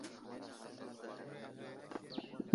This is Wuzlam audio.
Nə wuro nəfətel zlelo aka akwar azlehe.